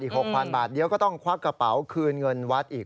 ๖๐๐๐บาทเดี๋ยวก็ต้องควักกระเป๋าคืนเงินวัดอีก